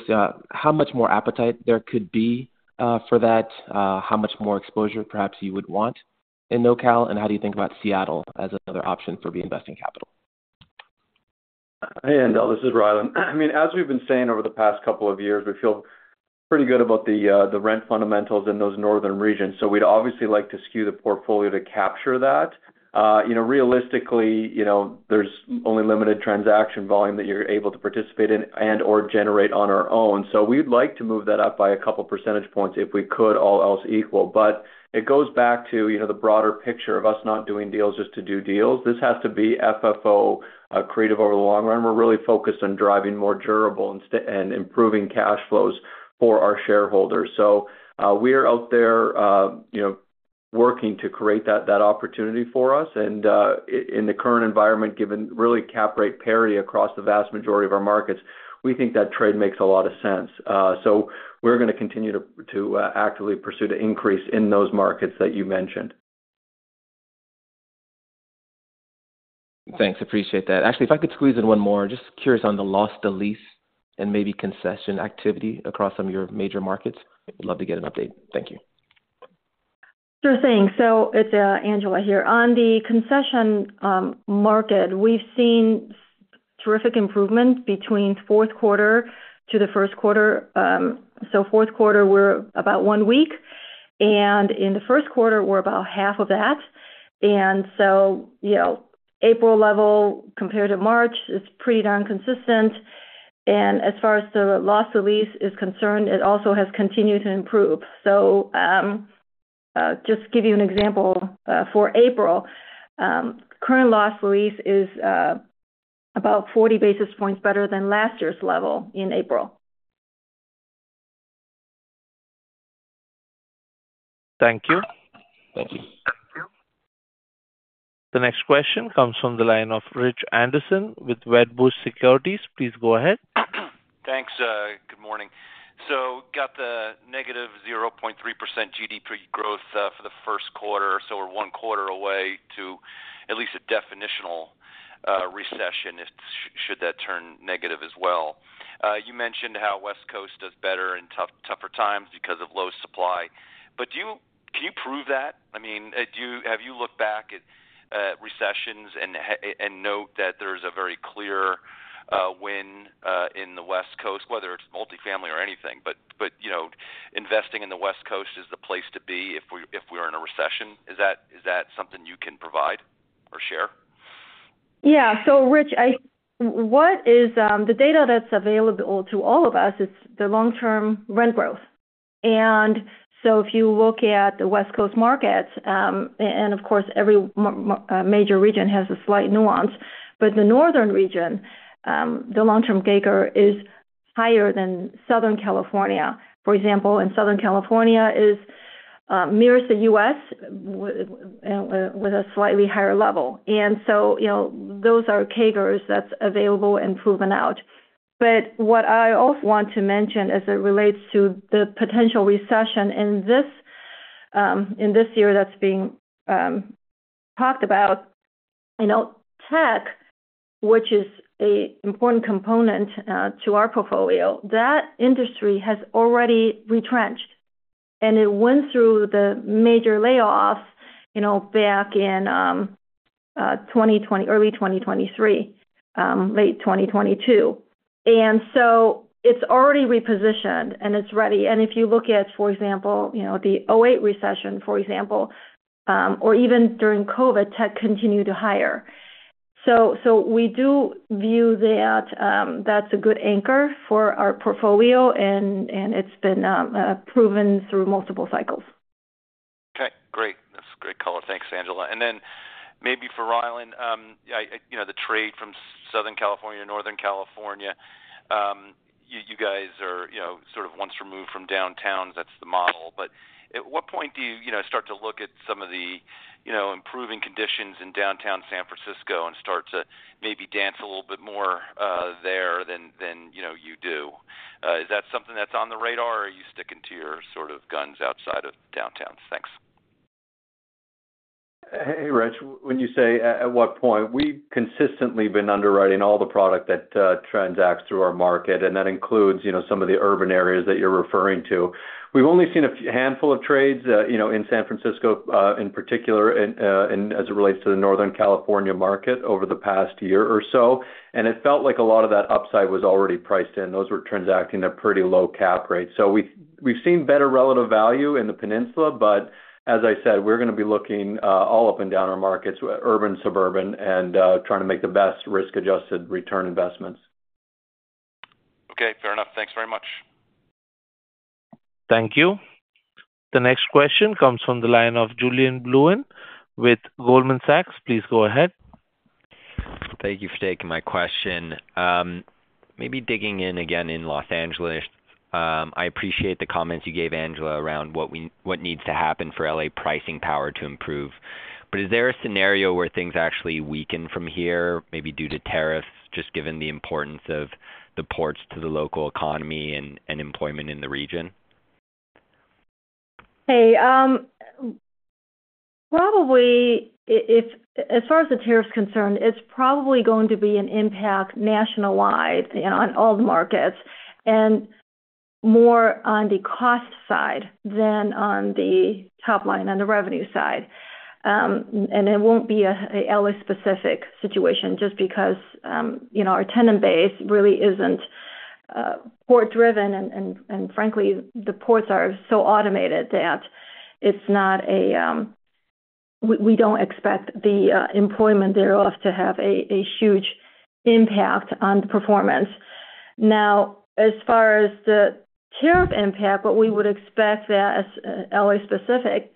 how much more appetite there could be for that, how much more exposure perhaps you would want in NoCal, and how do you think about Seattle as another option for reinvesting capital? Hey, Haendel. This is Rylan. I mean, as we've been saying over the past couple of years, we feel pretty good about the rent fundamentals in those northern regions. We'd obviously like to skew the portfolio to capture that. Realistically, there's only limited transaction volume that you're able to participate in and/or generate on our own. We'd like to move that up by a couple of percentage points if we could, all else equal. It goes back to the broader picture of us not doing deals just to do deals. This has to be FFO accretive over the long run. We're really focused on driving more durable and improving cash flows for our shareholders. We are out there working to create that opportunity for us. In the current environment, given really cap rate parity across the vast majority of our markets, we think that trade makes a lot of sense. We are going to continue to actively pursue the increase in those markets that you mentioned. Thanks. Appreciate that. Actually, if I could squeeze in one more, just curious on the lost-to-lease and maybe concession activity across some of your major markets. We'd love to get an update. Thank you. Sure thing. It's Angela here. On the concession market, we've seen terrific improvement between fourth quarter to the first quarter. Fourth quarter, we're about one week. In the first quarter, we're about half of that. April level compared to March is pretty darn consistent. As far as the lost-to-lease is concerned, it also has continued to improve. Just to give you an example for April, current lost-to-lease is about 40 basis points better than last year's level in April. Thank you. Thank you. The next question comes from the line of Rich Anderson with Wedbush Securities. Please go ahead. Thanks. Good morning. Got the negative 0.3% GDP growth for the first quarter. We're one quarter away to at least a definitional recession should that turn negative as well. You mentioned how West Coast does better in tougher times because of low supply. Can you prove that? I mean, have you looked back at recessions and note that there's a very clear win in the West Coast, whether it's multifamily or anything? Investing in the West Coast is the place to be if we are in a recession. Is that something you can provide or share? Yeah. Rich, what is the data that's available to all of us is the long-term rent growth. If you look at the West Coast markets, and of course, every major region has a slight nuance. The northern region, the long-term CAGR is higher than Southern California. For example, in Southern California, it mirrors the U.S. with a slightly higher level. Those are CAGRs that's available and proven out. What I also want to mention as it relates to the potential recession in this year that's being talked about, tech, which is an important component to our portfolio, that industry has already retrenched. It went through the major layoffs back in early 2023, late 2022. It has already repositioned and it's ready. If you look at, for example, the 2008 recession, for example, or even during COVID, tech continued to hire. We do view that that's a good anchor for our portfolio. And it's been proven through multiple cycles. Okay. Great. That's great color. Thanks, Angela. Maybe for Rylan, the trade from Southern California to Northern California, you guys are sort of once removed from downtowns. That's the model. At what point do you start to look at some of the improving conditions in downtown San Francisco and start to maybe dance a little bit more there than you do? Is that something that's on the radar or are you sticking to your sort of guns outside of downtowns? Thanks. Hey, Rich. When you say at what point, we've consistently been underwriting all the product that transacts through our market. That includes some of the urban areas that you're referring to. We've only seen a handful of trades in San Francisco in particular as it relates to the Northern California market over the past year or so. It felt like a lot of that upside was already priced in. Those were transacting at pretty low cap rates. We've seen better relative value in the peninsula. As I said, we're going to be looking all up and down our markets, urban, suburban, and trying to make the best risk-adjusted return investments. Okay. Fair enough. Thanks very much. Thank you. The next question comes from the line of Julian Blouin with Goldman Sachs. Please go ahead. Thank you for taking my question. Maybe digging in again in Los Angeles. I appreciate the comments you gave, Angela, around what needs to happen for LA pricing power to improve. Is there a scenario where things actually weaken from here, maybe due to tariffs, just given the importance of the ports to the local economy and employment in the region? Hey, probably as far as the tariffs are concerned, it's probably going to be an impact nationwide on all the markets and more on the cost side than on the top line on the revenue side. It will not be an LA-specific situation just because our tenant base really isn't port-driven. Frankly, the ports are so automated that we do not expect the employment thereof to have a huge impact on performance. Now, as far as the tariff impact, what we would expect that is LA-specific,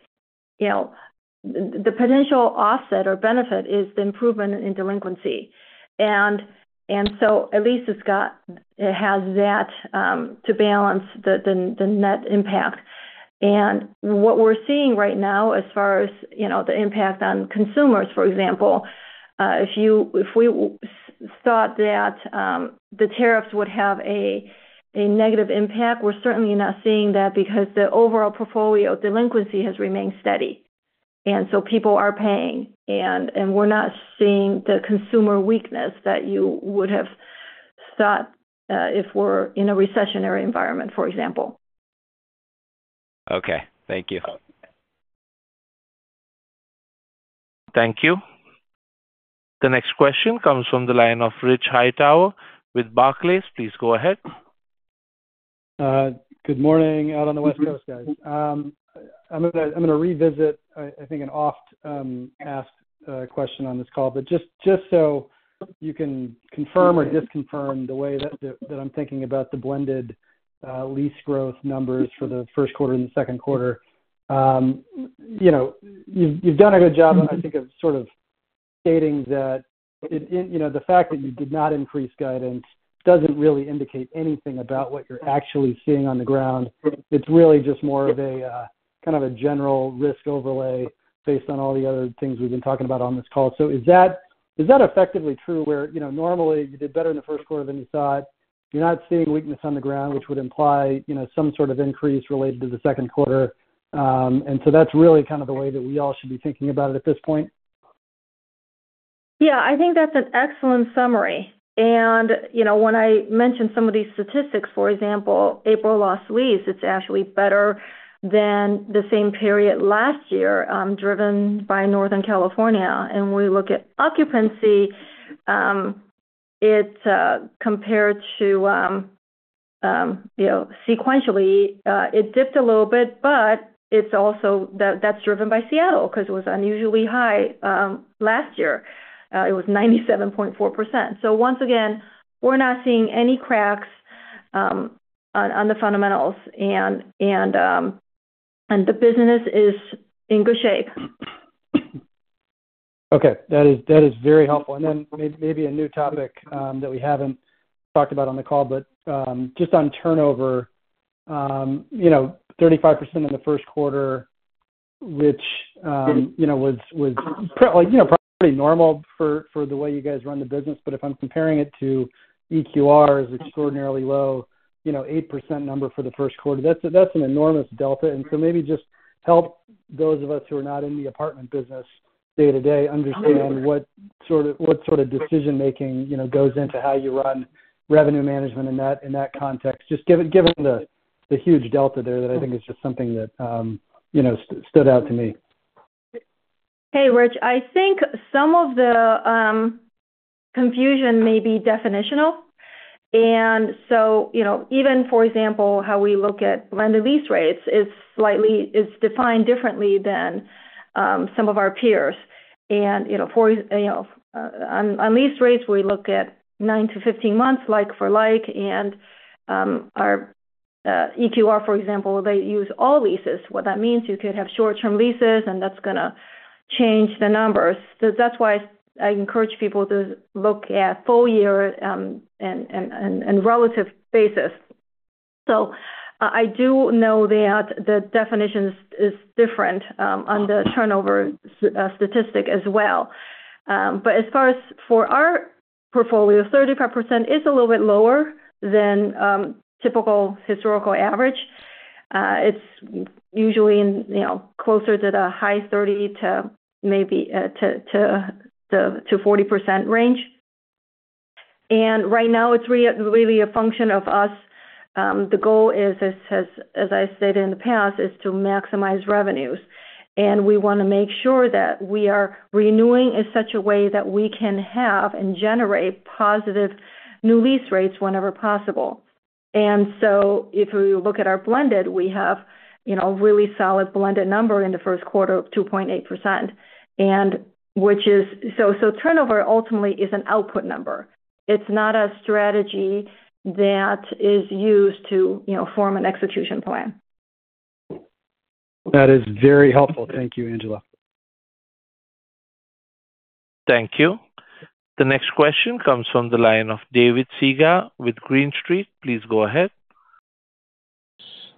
the potential offset or benefit is the improvement in delinquency. At least it has that to balance the net impact. What we are seeing right now as far as the impact on consumers, for example, if we thought that the tariffs would have a negative impact, we are certainly not seeing that because the overall portfolio delinquency has remained steady. People are paying. We are not seeing the consumer weakness that you would have thought if we are in a recessionary environment, for example. Okay. Thank you. Thank you. The next question comes from the line of Rich Hightower with Barclays. Please go ahead. Good morning. Out on the West Coast, guys. I'm going to revisit, I think, an oft-asked question on this call. Just so you can confirm or disconfirm the way that I'm thinking about the blended lease growth numbers for the first quarter and the second quarter, you've done a good job, I think, of sort of stating that the fact that you did not increase guidance does not really indicate anything about what you're actually seeing on the ground. It is really just more of a kind of a general risk overlay based on all the other things we've been talking about on this call. Is that effectively true where normally you did better in the first quarter than you thought? You're not seeing weakness on the ground, which would imply some sort of increase related to the second quarter. That is really kind of the way that we all should be thinking about it at this point. Yeah. I think that's an excellent summary. And when I mentioned some of these statistics, for example, April lost-to-lease, it's actually better than the same period last year driven by Northern California. And when we look at occupancy, it compared to sequentially, it dipped a little bit. But it's also that's driven by Seattle because it was unusually high last year. It was 97.4%. So once again, we're not seeing any cracks on the fundamentals. And the business is in good shape. Okay. That is very helpful. Maybe a new topic that we have not talked about on the call, just on turnover, 35% in the first quarter, which was probably normal for the way you guys run the business. If I am comparing it to EQR's extraordinarily low 8% number for the first quarter, that is an enormous delta. Maybe just help those of us who are not in the apartment business day-to-day understand what sort of decision-making goes into how you run revenue management in that context. Just given the huge delta there, that is just something that stood out to me. Hey, Rich. I think some of the confusion may be definitional. Even, for example, how we look at blended lease rates is defined differently than some of our peers. On lease rates, we look at nine-15 months like for like. EQR, for example, they use all leases. What that means is you could have short-term leases, and that's going to change the numbers. That's why I encourage people to look at full-year and relative basis. I do know that the definition is different on the turnover statistic as well. As far as for our portfolio, 35% is a little bit lower than typical historical average. It's usually closer to the high 30-40% range. Right now, it's really a function of us. The goal is, as I stated in the past, to maximize revenues. We want to make sure that we are renewing in such a way that we can have and generate positive new lease rates whenever possible. If we look at our blended, we have a really solid blended number in the first quarter of 2.8%. Turnover ultimately is an output number. It is not a strategy that is used to form an execution plan. That is very helpful. Thank you, Angela. Thank you. The next question comes from the line of David Segall with Green Street. Please go ahead.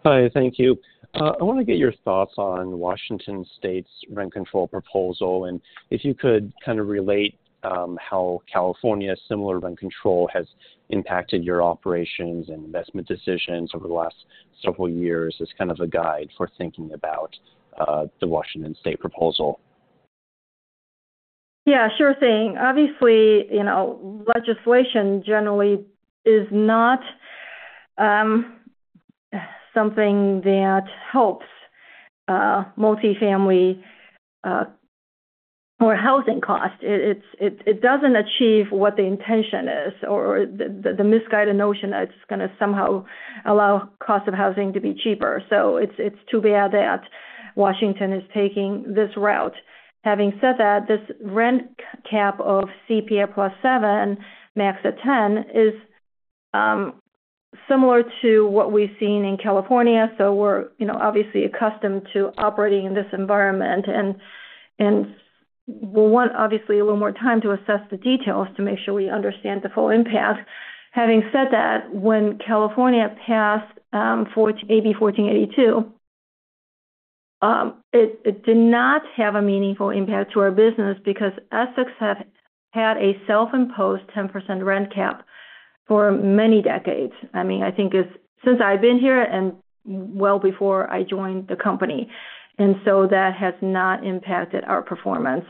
Hi. Thank you. I want to get your thoughts on Washington State's rent control proposal. If you could kind of relate how California's similar rent control has impacted your operations and investment decisions over the last several years as kind of a guide for thinking about the Washington State proposal. Yeah. Sure thing. Obviously, legislation generally is not something that helps multifamily or housing costs. It does not achieve what the intention is or the misguided notion that it is going to somehow allow cost of housing to be cheaper. It is too bad that Washington is taking this route. Having said that, this rent cap of CPI plus 7% max at 10% is similar to what we have seen in California. We are obviously accustomed to operating in this environment. We want obviously a little more time to assess the details to make sure we understand the full impact. Having said that, when California passed AB 1482, it did not have a meaningful impact to our business because Essex had a self-imposed 10% rent cap for many decades. I mean, I think since I have been here and well before I joined the company. That has not impacted our performance.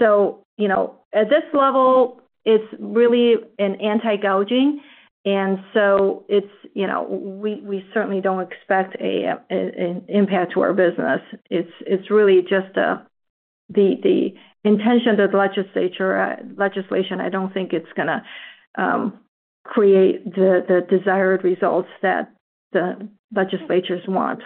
At this level, it's really an anti-gouging. And so we certainly don't expect an impact to our business. It's really just the intention of the legislation. I don't think it's going to create the desired results that the legislatures want.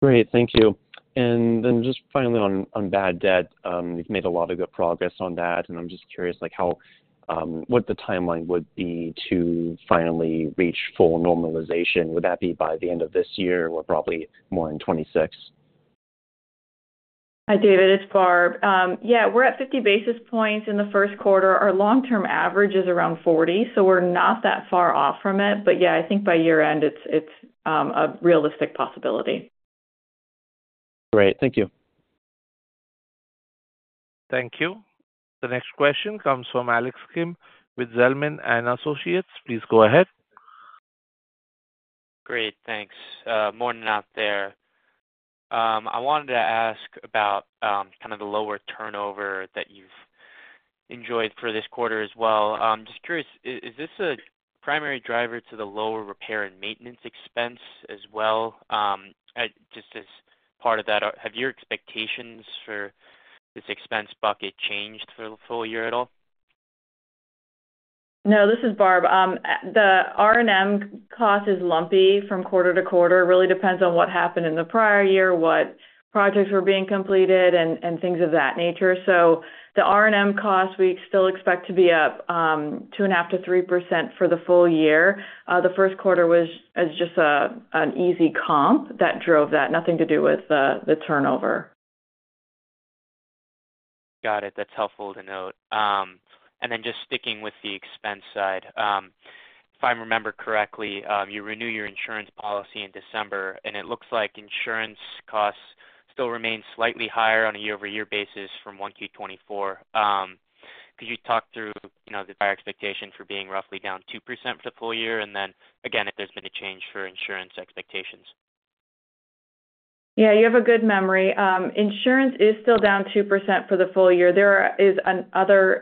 Great. Thank you. Just finally on bad debt, you have made a lot of good progress on that. I am just curious what the timeline would be to finally reach full normalization. Would that be by the end of this year or probably more in 2026? Hi, David. It's Barb. Yeah. We're at 50 basis points in the first quarter. Our long-term average is around 40. So we're not that far off from it. Yeah, I think by year-end, it's a realistic possibility. Great. Thank you. Thank you. The next question comes from Alex Kim with Zelman and Associates. Please go ahead. Great. Thanks. Morning out there. I wanted to ask about kind of the lower turnover that you've enjoyed for this quarter as well. I'm just curious, is this a primary driver to the lower repair and maintenance expense as well? Just as part of that, have your expectations for this expense bucket changed for the full year at all? No. This is Barb. The R&M cost is lumpy from quarter to quarter. It really depends on what happened in the prior year, what projects were being completed, and things of that nature. The R&M cost, we still expect to be up 2.5-3% for the full year. The first quarter was just an easy comp that drove that. Nothing to do with the turnover. Got it. That's helpful to note. Just sticking with the expense side, if I remember correctly, you renewed your insurance policy in December. It looks like insurance costs still remain slightly higher on a year-over-year basis from 1Q 2024. Could you talk through the expectation for being roughly down 2% for the full year? Again, if there's been a change for insurance expectations? Yeah. You have a good memory. Insurance is still down 2% for the full year. There is other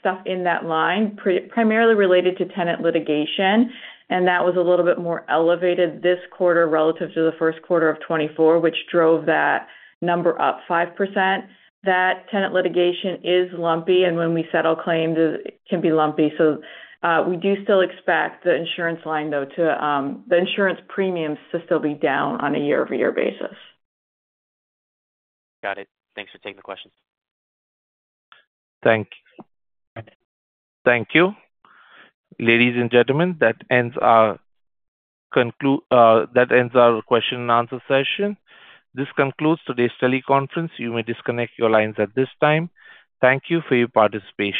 stuff in that line, primarily related to tenant litigation. That was a little bit more elevated this quarter relative to the first quarter of 2024, which drove that number up 5%. That tenant litigation is lumpy. When we settle claims, it can be lumpy. We do still expect the insurance line, though, the insurance premiums to still be down on a year-over-year basis. Got it. Thanks for taking the questions. Thank you. Ladies and gentlemen, that ends our question-and-answer session. This concludes today's teleconference. You may disconnect your lines at this time. Thank you for your participation.